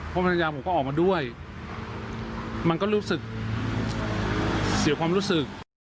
เพราะภรรยาผมก็ออกมาด้วยมันก็รู้สึกเสียความรู้สึก